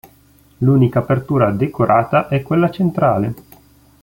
L'unica apertura decorata è quella centrale.